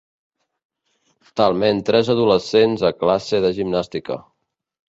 Talment tres adolescents a classe de gimnàstica.